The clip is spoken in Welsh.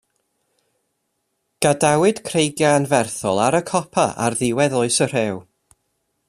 Gadawyd creigiau anferthol ar y copa ar ddiwedd Oes y Rhew.